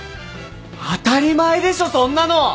当たり前でしょそんなの！